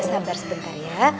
sabar sebentar ya